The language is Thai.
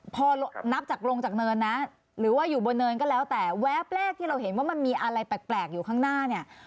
พอนับจากลงจากเนินนะหรือว่าอยู่บนเนินก็แล้วแต่แวบแรกที่เราเห็นว่ามันมีอะไรแปลกอยู่ข้างหน้าเนี่ย